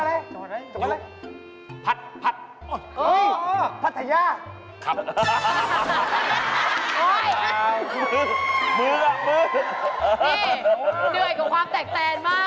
นี่เหนื่อยกว่าความแตกแตนมาก